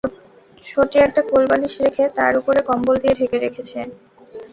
ছোটি একটা কোল বালিশ রেখে তার উপরে কম্বল দিয়ে ডেকে রেখেছে।